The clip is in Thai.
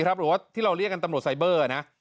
หรือว่าที่เราเรียกกันตำรวจไซเบอร์นะ